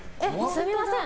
すみません。